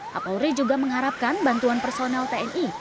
kapolri juga mengharapkan bantuan personel tni